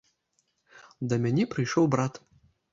Да мяне прыйшоў брат.